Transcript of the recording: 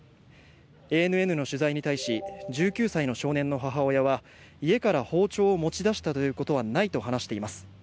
ＡＮＮの取材に対し１９歳の少年の母親は家から包丁を持ち出したということはないと話しています。